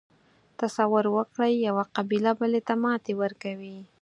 تصور وکړئ یوه قبیله بلې ته ماتې ورکوي.